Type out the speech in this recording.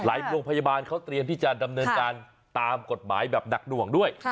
โรงพยาบาลเขาเตรียมที่จะดำเนินการตามกฎหมายแบบหนักหน่วงด้วย